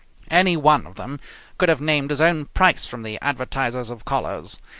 Any one of them could have named his own price from the advertisers of collars.